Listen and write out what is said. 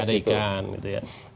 tidak ada ikan